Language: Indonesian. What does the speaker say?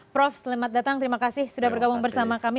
prof selamat datang terima kasih sudah bergabung bersama kami